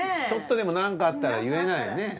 ちょっとでも何かあったら言えないよね。